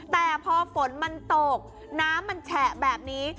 แต่พอฝนมันตกน้ำมันแฉะแบบนี้